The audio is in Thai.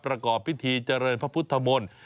ประกอบพิธีเจริญพระพุทธมนตร์